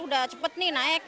sudah cepat naik